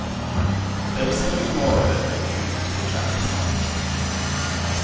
But there was something more than her beauty to attract him.